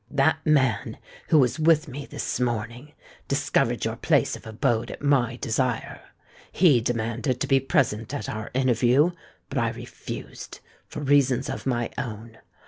That man who was with me this morning discovered your place of abode at my desire. He demanded to be present at our interview but I refused—for reasons of my own.